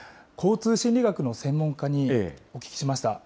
交通心理学の専門家にお聞きしました。